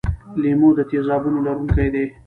لیمو د تیزابونو لرونکی دی.